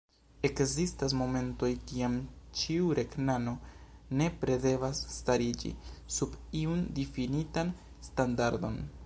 Ekzistas momentoj, kiam ĉiu regnano nepre devas stariĝi sub iun difinitan standardon.